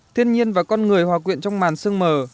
thiên nhiên và con người hòa quyện trong màn sương mờ